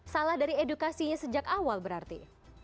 salah dari edukasinya sejak awal berarti